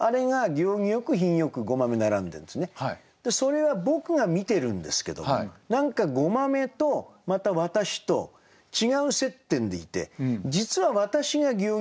それは僕が見てるんですけども何か「ごまめ」とまた「私」と違う接点でいて実は「私」が行儀良くしてるんだと。